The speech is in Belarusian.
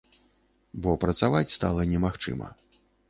Бо працаваць стала немагчыма.